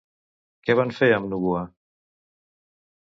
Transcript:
Què van fer amb Nugua?